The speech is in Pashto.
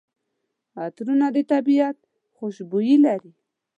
عطرونه د طبیعت خوشبويي لري.